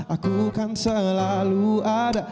aku kan selalu ada